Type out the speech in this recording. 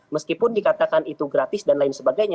meskipun dikatakan itu gratis dan lain sebagainya